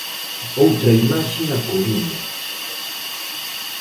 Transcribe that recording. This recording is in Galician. Outra imaxe na Coruña.